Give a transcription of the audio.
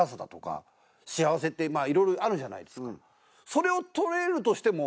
それをとれるとしても。